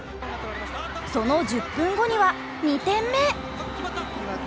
その１０分後には２点目。